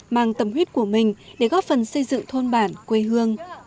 mang tâm huyết của mình để góp phần xây dựng thôn bản quê hương